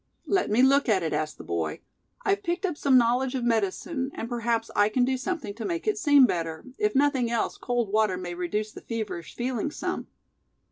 "Let me look at it," asked the boy. "I've picked up some knowledge of medicine, and perhaps I can do something to make it seem better; if nothing else, cold water may reduce the feverish feeling some."